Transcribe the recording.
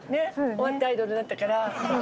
終わってアイドルなったから。